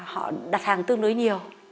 họ đặt hàng tương đối nhiều